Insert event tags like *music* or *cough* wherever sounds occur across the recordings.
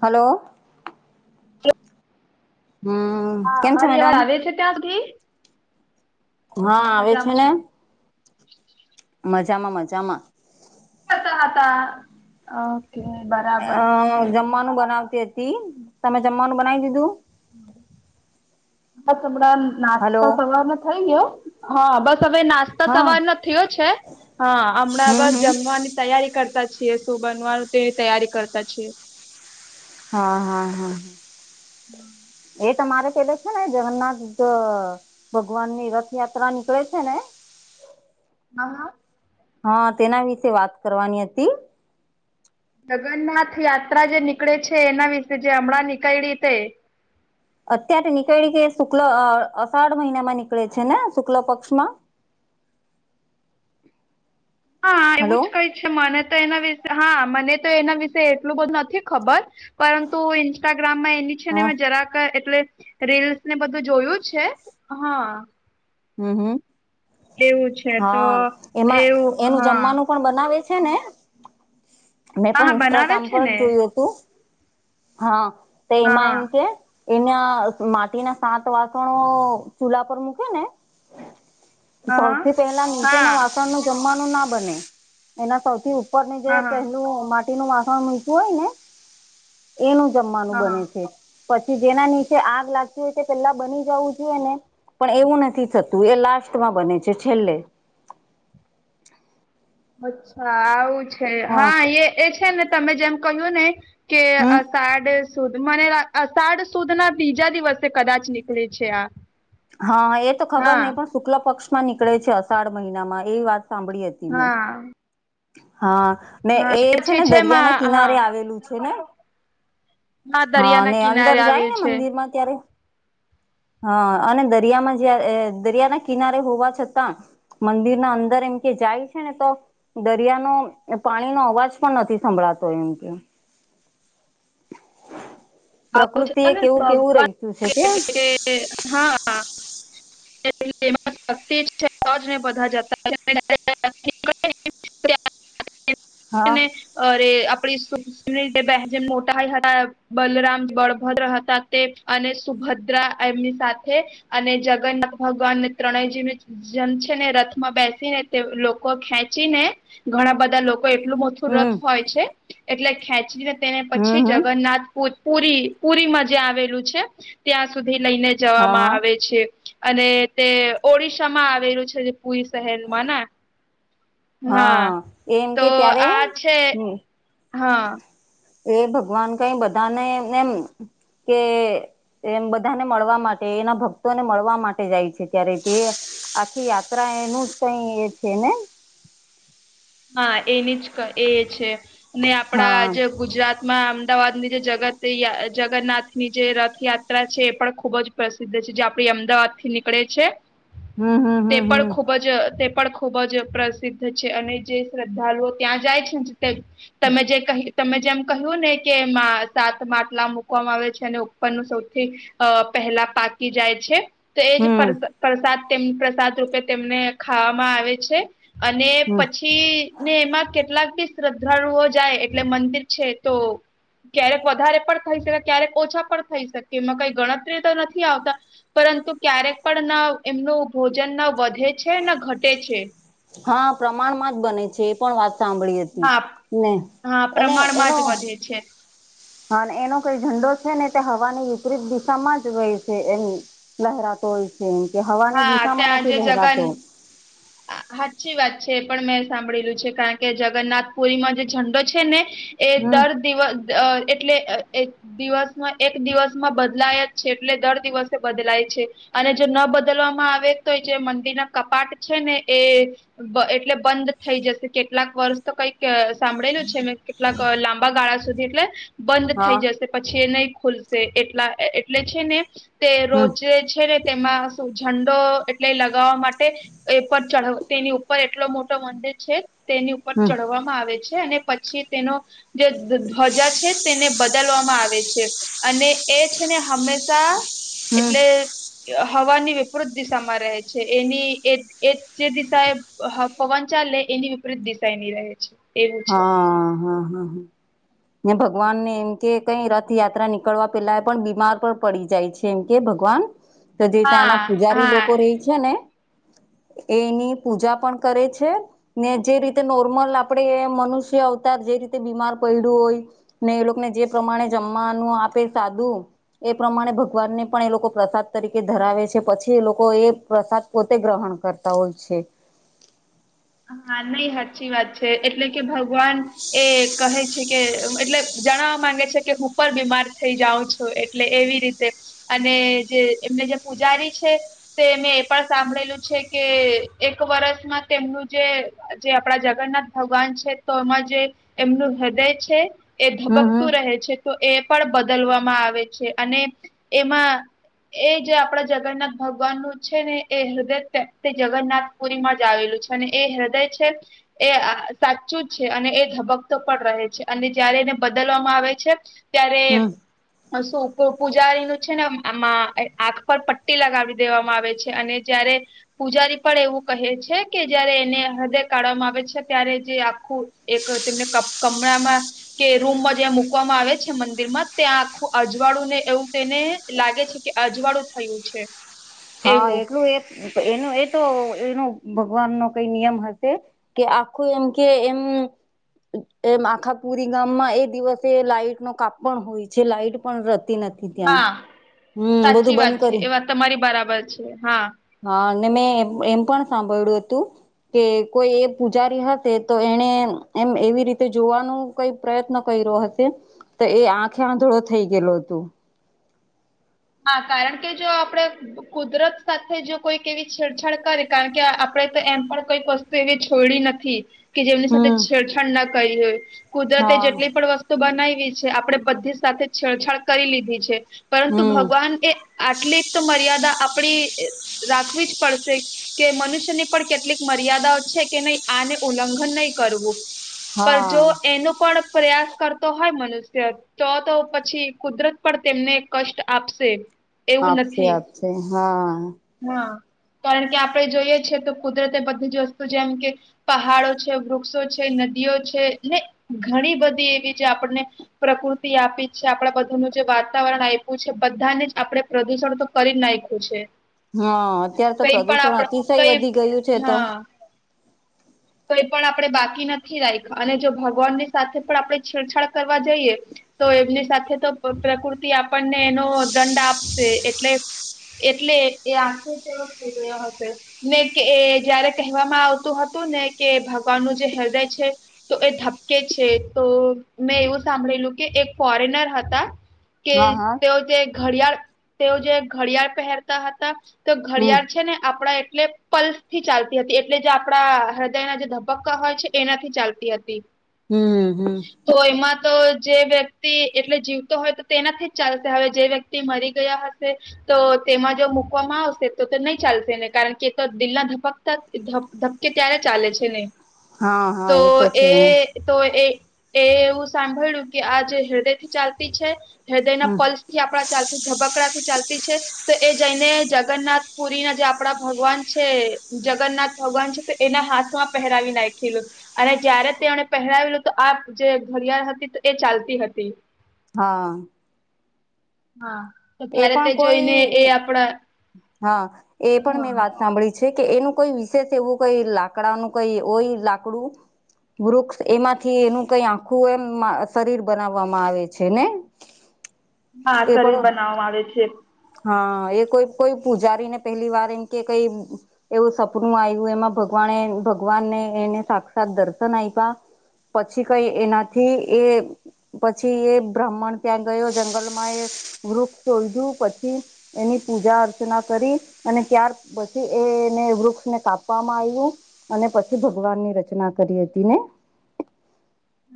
Hello. હમ્મ. હા મારી આવજ આવે છે ત્યા સુધી. હા તો આવે છે મજામાં ને. છું મજામાં મજામાં. કેતા હતા અ અ જમ્માનું બનાવતી હતી તમે જમ્માનું બનાઈ દીધું. બસ હમણા હલો નાસ્તા સવારનો થઇ ગયો. હા બસ હવે નાસ્ તો હા સવારનો થયો છે હા હમણાં હમ બસ હમ જમવાની તૈયારી કરતા છ છીએ શું બનવાનું તેની તૈયારી કરતા છીએ. હા હા હા. *inaudible* એ તમારે પેલે છે ને જગન્નાથ ભગવાનની રથયાત્રા નીકળે છે ને હા હા. હા તેના વિશે વાત કરવાની હતી. જગન્નાથ યાત્રા જે નીકળે છે એના વિશે જે હમણાં નીકઈળી તે અત્યારે નીકઈળી કે શુક્લ અ અષાઢ મહિનામાં નીકળે છે ને શુક્લ પક્ષમાં. હા હલો એવું જ કઈ છે મને તો એના વિશે હા મને તો એના વિશે એટલું બધું નથી ખબર. પરંતુ ઇન્સ્ટાગ્રામમાં એની છે ને હા મે જરાક એટલે રીલ્સ ને બધું જોયું છે હા. હમ્મ હમ્મ એવું છે તો હા એમાં એવું એનું હા જમવાનું હા પણ બનાવે જ. છેને મેં પણ હા બનાવે ઇન્સ્ટાગ્રામ છે પર ને જ જોયું હતું. હા તે એમાં હા એમ કે એના માટીના સાત વાસણો ચૂલા પર મૂકે ને હા હા સૌથી પહેલા હા નીચેના વાસણનું જમવાનું ના બને એના સૌથી ઉ પરનું જે હા હા પહેલું માટીનું વાસણ મૂક્યું હોય ને એનું જમ્માનું હા હા બને છે. પછી જેના નીચે આગ લાગતી હોય તે પેલા બની જવું જોઈએ ને પણ એવું નથી.. તું એ લાસ્ટમાં બને છે છેલ્લે. અચ્છા આવું છે હા એ એ છે ને તમે જેમ કહ્યું ને.. કે હમ અષાઢ.. સુદ મને અષાઢ સુદ ના બીજા દિવસે કદાચ નીકળે છે આ... હા એ તો ખબર હા નહિ પણ શુક્લ પક્ષમાં નીકળે છે. અષાઢ મહિનામાં એવી વાત સાંભળી હતી મેં. હા હા ને હા એ છે પછી ને દરિયા ના માં કિનારે હા આવેલું છે ને. માં હા ને દરિયાના અંદર કિનારે જાય આવ્યું ને છે. મંદિર માં ત્યારે... હા અને દરિયામાં જ્યારે દરિયા ના કિનારે હોવા છતાં... મંદિરના અંદર એમ કે જાય છે ને તો... દરિયાનો પાણીનો અવાજ પણ નથી સંભળાતો એમ કે. પ્રકૃતિ એ કેવું કેવું *unintelligible* રહીતું છે કે *unintelligible* *unintelligible* અરે આપડી *unintelligible* હા હતા *unintelligible* બલરામ- બલભદ્ર હતા તે અને સુભદ્રા એમની સાથે... અને જગન્નાથ ભગવાનને ત્રણેય જેવી... જમ છે ને રથમાં બેસી ને તે લોકો ખેંચી ને ઘણા બધા લોકો એટલું મોટુ... રથ હમ હોય છે એટલે ખેંચીને તેને પછી હમ હમ જગન્નાથપુરી.... પુરી પુરીમાં જે આવેલું છે ત્યાં સુધી લઈને હા જવામાં હા આવે છે. અને તે ઓડિશા માં આવેલું છે પુરી શહેરમાંના... હા એમ તો કે ત્યારે આ છે હમ હા.. એ ભગવાન કઇ બધાને એમ કે... એમ બધાને મળવા માટે એના ભક્તોને મળવા માટે જાય છે ત્યારે તે આખી યાત્રા.... ત્રા એનું જ કઈ એ છે ને? હા એની જ ક એ છે ને આપડા હા જ... ગુજરાતમાં અમદાવાદની જે જગત જગન્નાથ ની જે રથયાત્રા છે એ પણ ખુબ જ... પ્રસિદ્ધ છે જે આપડી અમદાવાદ થી નીકળે છે હમ હમ તે હમ પણ હમ ખૂબ જ અ તેપણ... પણ ખુબ જ પ્રસિદ્ધ છે અને જે શ્રદ્ધાળુઓ ત્યાં જાય છે ને... તે જ તમે જે કહ્યું. તમે જેમ કહ્યું ને કે માં સાત માટલામાં મૂકવામાં આવે છે અને ઉપરનું સૌથી... અ પહેલા પાકી જાય છે. તો એજ હમ પ્રસાદ પ્રસાદ તેમ રૂપે તેમને ખાવામાં આવે છે. અને હમ પછી... પછી ને એમાં કેટલાક બી શ્રદ્ધાળુ ઓ જાય એટલે મંદિર છે તો... ક્યારેક વધારે પણ થઈ શકે ક્યારેક ઓછા પણ થઈ શકે એમાં કઈ ગણતરી તો નથી આવતા. પરંતુ ક્યારેક પણ ના એમનું ભોજન ના વધે છે ના ઘટે છે. હ પ્રમાણમાં જ બને છે એ પણ વાત સાંભળી હતી હા ને અને એનો... એ છે. હ ને એનો કઈ ઝંડો છે, ને તે હવાની વિપરીત દિશામાં જ હોય છે એની... લહેરાતો હોય છે એમ કે હવાની હા દિશામાં નથી લહેરાતો. હાચી વાત છે એ પણ મેં સાંભળેલું છે કારણ કે જગન્નાથ પુરીમાં જે ઝંડો છે ને... એ હમ દર દિવસ અ એટલે અ એ.... દિવસમાં એક દિવસમાં બદલાય જ છે. એટલે દર દિવસે બદલાય છે. અને જો ન બદલવામાં આવે તો ય જે મંદિર ના કપાટ છે ને એ.... બ એટલે બંધ થઈ જશે કેટલાક વર્ષ તો કઈક સાંભળેલું છે મે કે કેટલાક લાંબા ગાળા સુધી એટલે બંધ થઈ હા જશે પછી એ નહી ખુલશે એટલા અ એટલે છે ને તે હમ રોજે છે ને તેમાં શું ઝંડો એટલે લગાવવા માટે એ પર ચઢ વો તેની ઉપર એટલો મોટો મંદિર છે તેની ઉપર હમ ચઢવા માં આવે છે અને પછી તેનો જે ધ ધ્વજા છે તેને બદલવામાં આવે છે. અને એ છે ને હંમેશા હમ એટલે હવાની વિપૃત દિશામાં રહે છે એની એ એ જે દિશા એ હ પવન ચાલે એની વિપરીત દિશા એની રહે છે. એવું છે. હમ્મ. ને ભગવાન ને એમ કે કઈ રથયાત્રા નીકળવા પેલા પણ બીમાર પણ પડી જાય છે. કેમ કે ભગવાન તદી હા તાના પૂજારી હા લોકો રહે છે ને એ એની પૂજા પણ કરે છે ને જે રીતે નોર્મલ આપણેે એ મનુષ્ય અવતાર જે રીતે બીમાર પડ્યું હોય ને એ લોકને જે પ્રમાણે જમવાનું આપે સાદું એ પ્રમાણે ભગવાનને પણ એ લોકો પ્રસાદ તરીકે ધરાવે છે પછી એ લોકો એ પ્રસાદ પોતે ગ્રહણ કરતા હોય છે. હા નહી હાચી વાત છે એટલે કે ભગવાન એ કહે છે કે એટલે જણાવવા માંગે છે કે હું પણ બીમાર થઇ જાઉં છું. તો એટલે એવી રીતે અને જે એમને જે પૂજારી છે તે મેં એ પણ સાંભળેલું છે કે એક વર્ષમાં તેમનું જે જે આપડા જગન્નાથ ભગવાન છે તો એમાં જે એમનું હૃદય છે. એ હમ હમ ધબકતું રહે છે તો એ પણ બદલવામાં આવે છે અને એમાં એ જે આપડા જગન્નાથ ભગવાનનું છે ને એ હૃદય તે જગન્નાથ પુરીમાં જ આવેલું છે. અને એ હૃદય છે એ અ સાચું જ છે અને એ ધબકતો પણ રહે છે અને જયારે એને બદલવામાં આવે છે. ત્યારે હમ શું પૂજારીનું છે ને આમાં આંખ પર પટ્ટી લગાવી દેવામાં આવે છે અને જ્યારે પૂજારી પણ એવું કહે છે કે જયારે એને હૃદય કાઢવામાં આવે છે, ત્યારે જે આખું એક તેમને કમ કમળામાં કે રૂમમાં જ્યાં મુૂકવામાં આવે છે મંદિરમાં ત્યાં આખું અજવાળું ને એવું તેને લાગે છે કે અજવાળું થયું છે. હા એવું એટલું એ એનું એ તો એનો ભગવાનનો કઈ નિયમ હશે. કે આખું એમ કે એમ એમ આખા પુરી ગામમાં એ દિવસે લાઈટનો કાપ પણ હોય છે, લાઈટ પણ રહેતી નથી. ત્યાં હા હમ્મ બધું સાચી વાત બંધ છે કર્યુ. એ વાત તમારી બરાબર છે હા. હા અને મેં એમ પણ સાંભળ્યું હતું. કે કોઈ એ પૂજારી હશે તો એને એમ એમ એવી રીતે જોવાનું. કઈ પ્રયત્ન કર્યો હશે, તો એ આંખે આંધળો થઈ ગેલો હતો. હા કારણ કે જો આપડે કુદરત સાથે જો કોઈક એવી છેડછાડ કરે કારણ કે આપડે તો એમ પણ કંઈક વસ તું એવી છોડી નથી કે જેમની સાથે હમ છેડછાડ ના કરી હોય, કુદરતે હા જેટલી પણ વસ્તુ બનાવી છે, આપડે બધી સાથે છેડછાડ કરી લીધી છે. તો હમ ભગવાન કે આટલી તો મર્યાદા આપડી રાખવી જ પડશે કે મનુષ્યને પણ કેટલીક મર્યાદાઓ છે કે નઈ આને ઉલ્લંઘન નઈ કરવું પર હા જો એનું પણ પ્રયાસ કરતો હોય મનુષ્ય તો તો પછી કુદરત પર તેમને કષ્ટ આપશે આપશે આપશે ન હા હાં કારણ કે આપડે જોઈએ છીએ તો કુદરતે બધી જ વસ્તુ જેમ કે પહાડો છે વૃક્ષો છે નદીઓ છે ને ઘણી બધી એવી જે આપણને પ્રકૃતિ આપી છે આપણા બધાનું જે વાતાવરણ આય પુ છે બધાને જ આપડે પ્રદૂષણ તો કરી જ નાયખુ છે હા અત્યારે તો કઈ પણ પ્રદુષણ આપણે અતિશય કઈ વધી ગયું છે તો હા કંઈ પણ આપડે બાકી નથી રાયખા અને જો ભગવાનની સાથે પણ આપણે છેડછાડ કરવા જઈએ તો એમની સાથે તો પ પ્રકૃતિ આપણને એનો દંડ આપશે એટલે એટલે એ આખે *unintelligible* થઈ ગયો હશે ને કે એ જયારે કેહવામાં આવતું હતું ને કે ભગવાનનું જે હૃદય છે તો એ ધબકે છે તો મેં એવું સાંભળેલું કે એક ફોરેનર હતા કે હા હા તેઓ જે ઘડિયાળ તેઓ જે ઘડિયાળ પહેરતા હતા તો હમ ઘડિયાળ છે ને આપડા એટલે પલ્સથી ચાલતી હતી એટલે જે આપડા હ દયનાં જે ધબક્કા હોય છે એનાથી ચાલતી હતી હમ્મ હમ્મ તો એમાં તો જે વ્યક્તિ એટલે જીવતો હોય તો તેનાથી જ ચાલશે હવે જે વ્ય ક્તિ મરી ગયા હશે તો તેમાં જો મુૂકવામાં આવશે તો તે નઈ ચાલશેને કારણ કે એઙતો દિલના ધબક કા ધબકે ત્યારે ચાલે છે ને હા હા તો છે એ તો એ એવું સાંભયળુ કે આજ હૃદય થી ચાલતી છે હૃદયના હમ પલ્સ થી આપડા ચાલતું ધબકડા થી ચાલતી છે તો એ જઈને જગન્નાથ પુરી ના જે આપડા ભગવાન છે જગન્નાથ ભગવાન છે તો એના હાથમાં પહેરાવી નાંયખેલું અને જયારે તેણે પહેરાવેલું તો આ જે ઘડિયાળ હતી ત એ ચાલતી હતી. હા હા તો એ ત્યારે પણ તે કોઈ જોઈને એ આપણા હા એ પણ હા મેં વાત સાંભળી છે કે એનું કોઈ વિશેષ એવું કંઈ લાકડાનું કંઈ ઓય લાકડું વૃક્ષ એમાંથી એનું કકઈ આખું એમ શરીર બનાવવામાં આવે છે ને હલો *inaudible* હા શરીર બનાવવામાં આવે છે. હાં એ કોઈ કોઈ પૂજારીને પેહલી વાર એમ કે કંઈ એવું સપનું આયવુ એમાં ભગવાણે ભગવાનને એને સાક્ષાત દર્શન આયપા પછી કઈ એનાથી એ પછી એ બ્રાહ્મણ ત્યાં ગયો જંગલમાં એ વૃક્ષ શોયધુ પ છી એની પૂજા અર્ચના કરી અને ત્યાર પછી એ એને વૃક્ષને કાપવામાં આયવુ અને પછી ભગવાનની રચના કરી હતી ને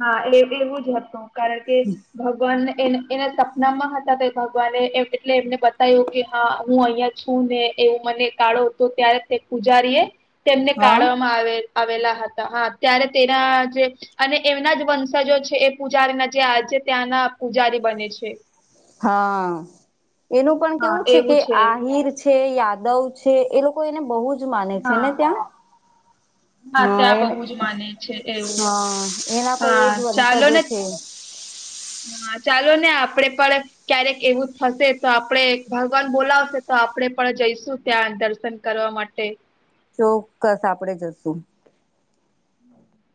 હા એ એવું જ હતું કારણ કે ભગવાનને એના એના સપનામાં હતા તે ભગવાને એટલે એમને બતાય્વૂ કે હા હું અઈયા છું ને એવું મને કાઢો તો ત્યારે તે પૂજારીએ તેમને હા કાઢવામાં આવેલ આવેલા હતા હા ત્યારે તેના જે અને એમના જ વંશજો છે એ પૂજારીના જે આજે ત્યાંના પૂજારી બને છે. હા એનું પણ હા કેવું છે કે એવું આહિર છે યાદવ છે એ લોકો એને બહુ જ માને છે હા ને ત્યાં? હા ત્યાં એન બહુ જ માને છે એવું હા એના *unintelligible* એજ હા ચાલો વંશજો ને છે. *inaudible* હા ચાલો ને આપડે પણ ક્યારેક એવું થશે તો આપડે ભગવાન બોલાવશે તો આપડે પણ જઈશું ત્યાં દર્શન કરવા માટે ચોક્કસ આપડે જશું.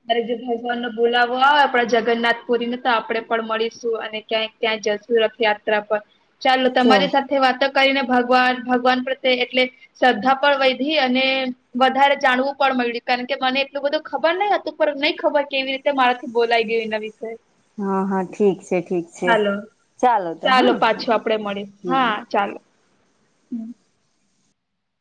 મારે જે ભગવાનનો બોલાવો આવે આપણા જગન્નાથપુરીને તો આપડે પણ મળીશું અને ક્યાંય ત્યાં જસુ રથ યાત્રા પર ચાલો જો તમારી સાથ થે વાતો કરીને ભગવાન ભગવાન પ્રત્યે એટલે શ્રદ્ધા પણ વૈધી અને વધારે જાણવું પણ મળ્યું કારણ કે મને એટલું બધું ખબર નઈ હતું. *unintelligible* ખબર નઈ કેવી રીતે મારાથી બોલાય ગયું એના વિશે. હા હા ઠીક છે ઠીક છે હાલો તો ચાલો હા પાછું આપડે મળીએ, હા ચાલો હમ્મ